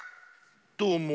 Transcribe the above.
どうも。